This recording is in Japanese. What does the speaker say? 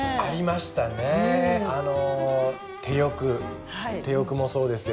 手浴もそうですよ。